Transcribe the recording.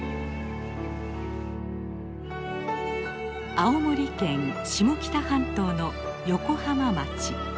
青森県下北半島の横浜町。